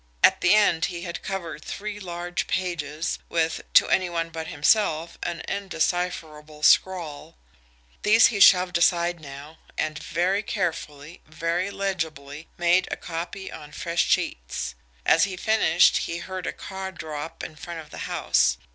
At the end he had covered three large pages with, to any one but himself, an indecipherable scrawl. These he shoved aside now, and, very carefully, very legibly, made a copy on fresh sheets. As he finished, he heard a car draw up in front of the house.